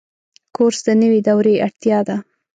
کورس د نوي دورې اړتیا ده.